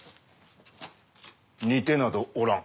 似てなどおらん。